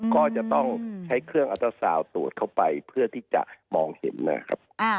ก็จะต้องใช้เครื่องอัตราซาวน์ตรวจเข้าไปเพื่อที่จะมองเห็นนะครับ